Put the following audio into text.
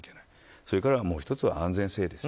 それから、もう１つは安全性です。